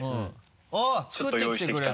あっ作ってきてくれた？